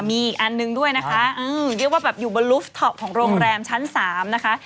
มีอีกอันนึงด้วยนะคะเรียกว่าแบบอยู่บนลูฟท็อปของโรงแรมชั้น๓นะคะ